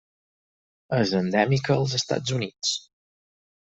És endèmica als Estats Units.